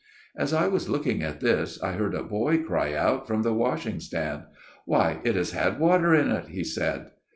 " As I was looking at this, I heard a boy cry out from the washing stand :' Why it has had water in it/ he said.